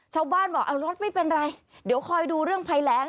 ชาวบ้านบอกเอารถไม่เป็นไรเดี๋ยวคอยดูเรื่องภัยแรง